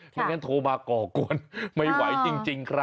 ไม่งั้นโทรมาก่อกวนไม่ไหวจริงครับ